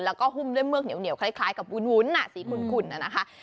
แล้วก็หุ้มด้วยเือกเหนียวคล้ายกับวุ้นสีขุนนะคะ